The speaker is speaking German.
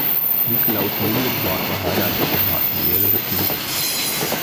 Nikolaus Müller war verheiratet und hatte mehrere Kinder.